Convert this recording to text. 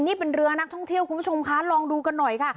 นี่เป็นเรือนักท่องเที่ยวคุณผู้ชมคะลองดูกันหน่อยค่ะ